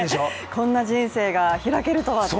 こんな人生が開けるとはっていう。